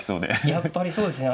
やっぱりそうですね